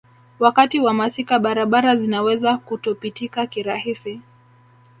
Wakati wa masika barabara zinaweza kutopitika kirahisi